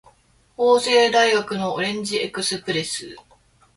法政大学のオレンジエクスプレス